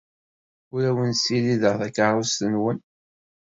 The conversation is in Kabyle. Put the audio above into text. Ur awen-ssirideɣ takeṛṛust-nwen.